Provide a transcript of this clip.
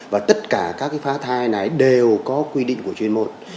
và tất cả các phá thai này đều có quy định của chuyên môn